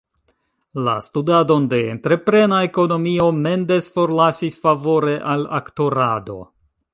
La studadon de entreprena ekonomio, Mendes forlasis favore al aktorado.